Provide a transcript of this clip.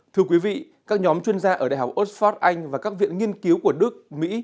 thưa quý vị các nhóm chuyên gia ở đại học oxford anh và các viện nghiên cứu của đức mỹ